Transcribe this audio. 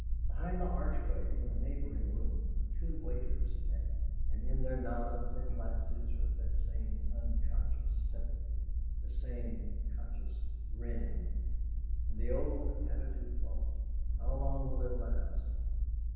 Behind the archway in the neighbouring room two waiters met, and in their nods and glances was that same unconscious sympathy, the same conscious grin. And the old habitue thought: '.ow long will it last?'....